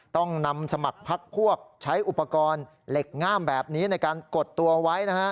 ต้องนำสมัครพักพวกใช้อุปกรณ์เหล็กง่ามแบบนี้ในการกดตัวไว้นะฮะ